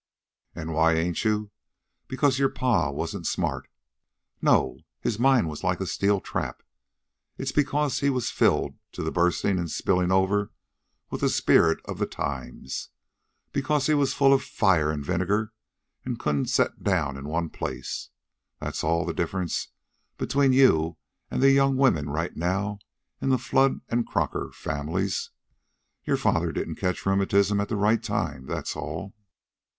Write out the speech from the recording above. An' why ain't you? Because your pa wasn't smart? No. His mind was like a steel trap. It's because he was filled to burstin' an' spillin' over with the spirit of the times; because he was full of fire an' vinegar an' couldn't set down in one place. That's all the difference between you an' the young women right now in the Flood and Crocker families. Your father didn't catch rheumatism at the right time, that's all."